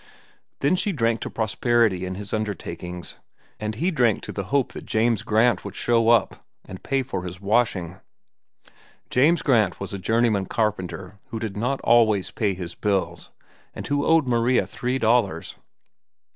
Then she drank to prosperity in his undertakings, and he drank to the hope that James Grant would show up and pay her for his washing. James Grant was a journeymen carpenter who did not always pay his bills and who owed Maria three dollars.